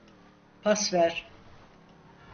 Pas ver!